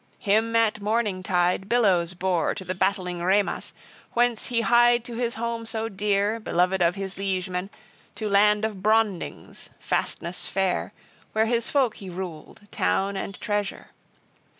Him at morning tide billows bore to the Battling Reamas, whence he hied to his home so dear beloved of his liegemen, to land of Brondings, fastness fair, where his folk he ruled, town and treasure.